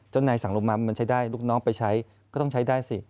เจ้านายสั่งลงมามันใช้ได้ลูกน้องไปใช้ก็ต้องใช้ได้สิ